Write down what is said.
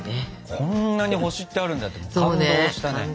こんなに星ってあるんだって感動したね。